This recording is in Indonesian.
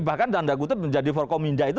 bahkan danda kutub menjadi forkominda itu